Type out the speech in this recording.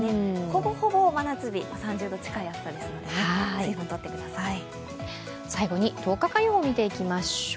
ほぼほぼ真夏日、３０度近い暑さですので水分とってください。